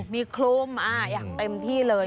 มีคลุมอย่างเต็มที่เลย